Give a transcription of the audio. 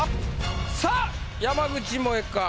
さあ山口もえか？